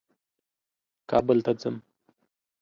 کابل ته ځم.